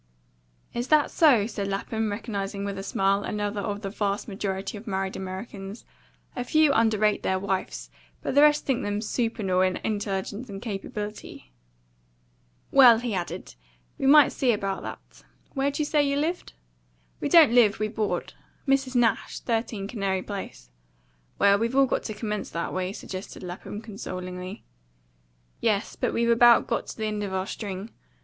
"Is that so?" said Lapham, recognising with a smile another of the vast majority of married Americans; a few underrate their wives, but the rest think them supernal in intelligence and capability. "Well," he added, "we must see about that. Where'd you say you lived?" "We don't live; we board. Mrs. Nash, 13 Canary Place." "Well, we've all got to commence that way," suggested Lapham consolingly. "Yes; but we've about got to the end of our string.